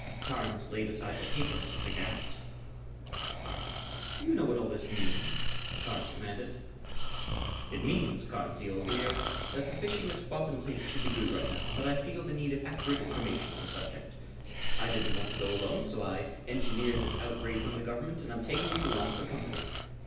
Carnes laid aside the paper with a gasp. "Do you know what all this means?" Carnes demanded. "It means, Carnsey, old dear, that the fishing at Squapan Lake should be good right now and that I feel the need of accurate information on the subject. I didn't want to go alone, so I engineered this outrage on the government and am taking you along for company.